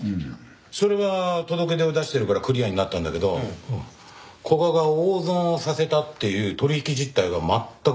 それは届け出を出してるからクリアになったんだけど古賀が大損をさせたっていう取引実態が全く出てこないんだ。